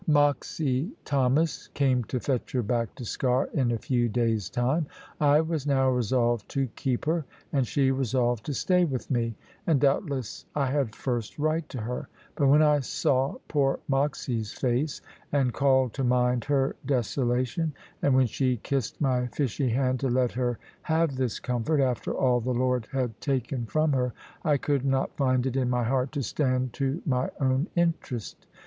Moxy Thomas came to fetch her back to Sker, in a few days' time. I was now resolved to keep her, and she resolved to stay with me and doubtless I had first right to her. But when I saw poor Moxy's face, and called to mind her desolation, and when she kissed my fishy hand to let her have this comfort, after all the Lord had taken from her, I could not find it in my heart to stand to my own interest.